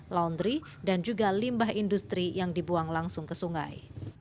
laundry dan juga limbah industri yang dibuang langsung ke sungai